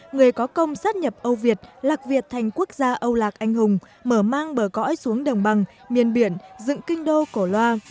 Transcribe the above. người có công sát nhập âu việt lạc việt thành quốc gia âu lạc anh hùng mở mang bờ cõi xuống đồng bằng miền biển dựng kinh đô cổ loa